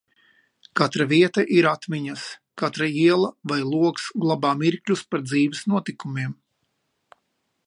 Katra vieta ir atmiņas, katra iela vai logs glabā mirkļus par dzīves notikumiem.